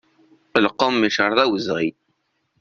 Lqum iceṛṛeḍ awezɣi.